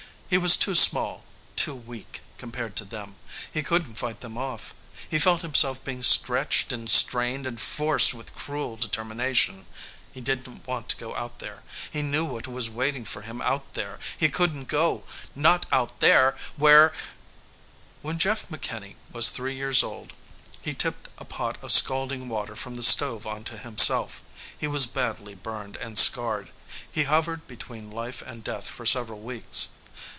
He was too small, too weak, compared to them. He couldn't fight them off. He felt himself being stretched and strained and forced with cruel determination. He didn't want to go out there. He knew what was waiting for him out there. He couldn't go. Not out there, where.... When Jeff McKinney was three years old he tipped a pot of scalding water from the stove onto himself. He was badly burned and scarred. He hovered between life and death for several weeks.